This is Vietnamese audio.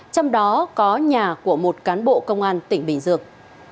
trong đó có nhà của một cán bộ công an tỉnh bình dương